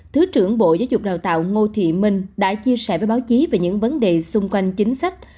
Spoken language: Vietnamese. thứ trưởng bộ giáo dục đào tạo ngô thị minh đã chia sẻ với báo chí về những vấn đề xung quanh chính sách